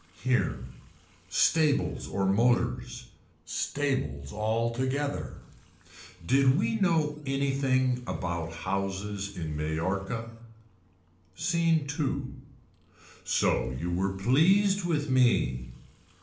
Here. Stables or motors. Stables altogether. Did we know anything about houses in Mallorca. Scene II. So you were pleased with me.